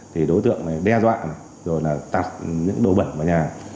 thì đối tượng đe dọa rồi là tạp những đồ bẩn vào nhà